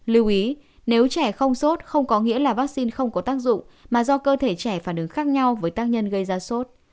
lưu ý nếu trẻ không sốt không có nghĩa là vaccine không có tác dụng mà do cơ thể trẻ phản ứng khác nhau với tác nhân gây ra sốt